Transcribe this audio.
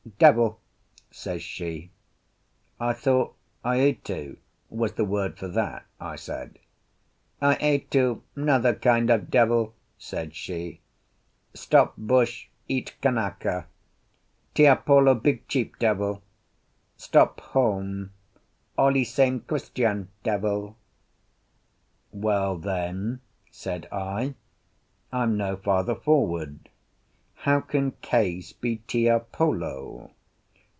"Devil," says she. "I thought aitu was the word for that," I said. "Aitu 'nother kind of devil," said she; "stop bush, eat Kanaka. Tiapolo big chief devil, stop home; all e same Christian devil." "Well then," said I, "I'm no farther forward. How can Case be Tiapolo?"